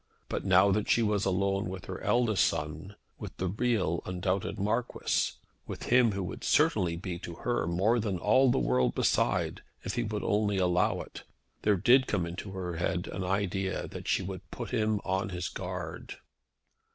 But now that she was alone with her eldest son, with the real undoubted Marquis, with him who would certainly be to her more than all the world beside if he would only allow it, there did come into her head an idea that she would put him on his guard.